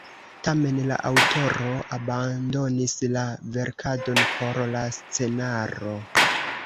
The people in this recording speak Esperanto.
Tamen la aŭtoro abandonis la verkadon por la scenaro.